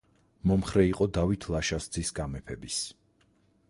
მომხრე იყო დავით ლაშას ძის გამეფების.